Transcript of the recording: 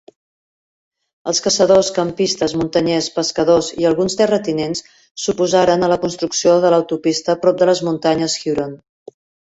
Els caçadors, campistes, muntanyers, pescadors i alguns terratinents s'oposaren a la construcció de l'autopista prop de les muntanyes Huron.